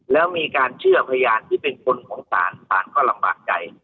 แล้วมีการเชื่อพยานที่เป็นคนของศาลศาลก็ลำบากใจ